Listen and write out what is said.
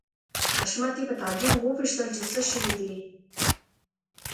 حشمتي په تعجب وپوښتل چې څه شوي دي